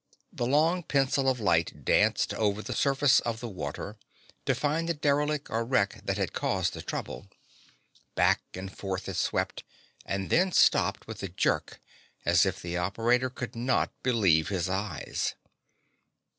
The long pencil of light danced over the surface of the water to find the derelict or wreck that had caused the trouble. Back and forth it swept, and then stopped with a jerk as if the operator could not believe his eyes.